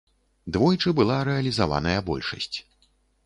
Двойчы была рэалізаваная большасць.